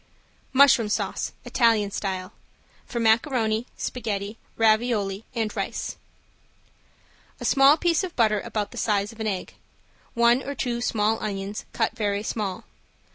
~MUSHROOM SAUCE, ITALIAN STYLE~ (For macaroni, spaghetti, ravioli and rice.) A small piece of butter about the size of an egg. One or two small onions, cut very small.